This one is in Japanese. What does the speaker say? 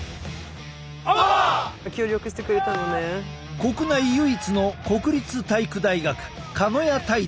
国内唯一の国立体育大学鹿屋体大。